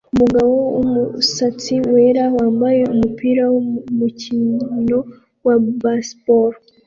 Umugabo wumusatsi wera wambaye umupira wumukino wa baseball